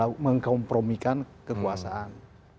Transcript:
tetapi tetapi mereka sedang mengkompromikan kekuasaan